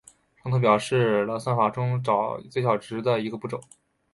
上图表示了算法中找最小值的一个步骤。